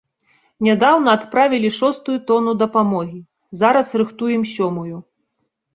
Нядаўна адправілі шостую тону дапамогі, зараз рыхтуем сёмую.